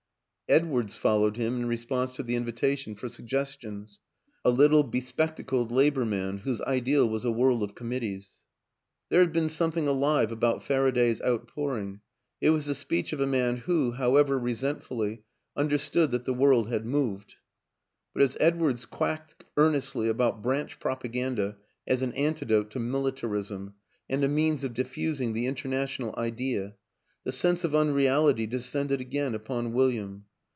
Edwardes followed him, in response to the in vitation for suggestions: a little be spectacled Labor man whose ideal was a world of commit tees. There had been something alive about Faraday's outpouring; it was the speech of a man who, however resentfully, understood that the world had moved. But as Edwardes quacked earnestly about branch propaganda as an antidote to militarism and a means of diffusing the inter national idea, the sense of unreality descended again upon William.